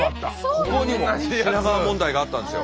ここにも品川問題があったんですよ。